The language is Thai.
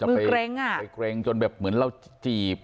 มือเกร็งไปเกร็งจนแบบเหมือนเราจีบ